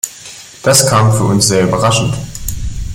Das kam für uns sehr überraschend.